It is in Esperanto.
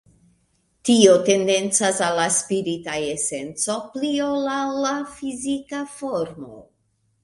Tio tendencas al la spirita esenco pli ol al la fizika formo.